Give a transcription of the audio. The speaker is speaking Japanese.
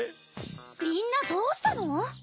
みんなどうしたの？